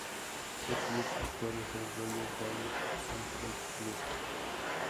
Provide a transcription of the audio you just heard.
Su club actual es el Royal Daring Hockey Club.